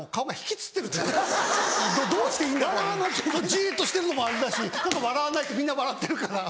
じっとしてるのもあれだし笑わないとみんな笑ってるから。